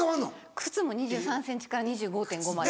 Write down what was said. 靴も２３ｃｍから２５．５まで。